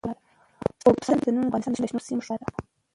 اوبزین معدنونه د افغانستان د شنو سیمو ښکلا ده.